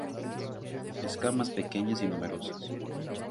Escamas pequeñas y numerosas.